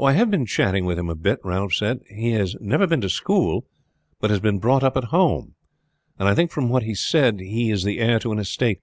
"I have been chatting with him a bit," Ralph said. "He has never been to school, but has been brought up at home, and I think from what he said he is the heir to an estate.